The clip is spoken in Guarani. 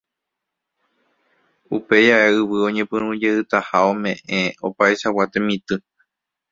upéi ae yvy oñepyrũjeytaha ome'ẽ opaichagua temitỹ